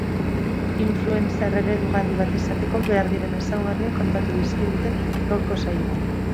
Influencer eredugarri bat izateko behar diren ezaugarriak kontatu dizkigute gaurko saioan.